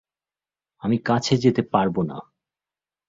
আমি কাছে যেতে পারবো না!